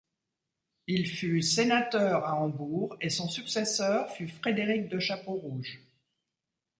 Il fut sénateur à Hambourg et son successeur fut Frédéric de Chapeaurouge.